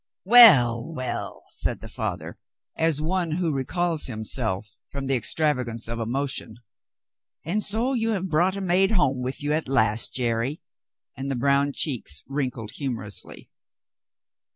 "Well, well," said the father, as one who recalls himself from the extravagance of emotion. ... "And so you have brought a maid home with you at last, Jerry?" and the brown cheeks wrinkled hu morously.